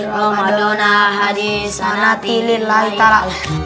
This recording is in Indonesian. romadona hadis an'atilillahi tala